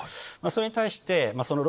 それに対して。